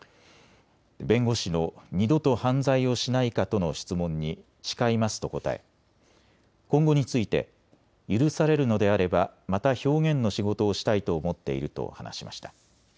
弁護士の二度と犯罪をしないかとの質問に誓いますと答え今後について許されるのであればまた表現の仕事をしたいと思っていると話しました。